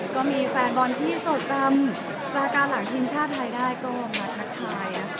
ก็มีแฟนบอลที่โจทย์กรรมประกาศหลังทินชาติไทยได้ตัวอำนักหนักไทยนะคะ